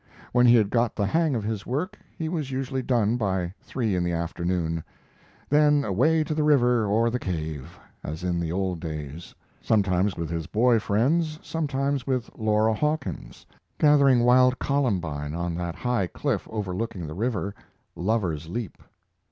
When he had got the hang of his work he was usually done by three in the afternoon; then away to the river or the cave, as in the old days, sometimes with his boy friends, sometimes with Laura Hawkins gathering wild columbine on that high cliff overlooking the river, Lover's Leap.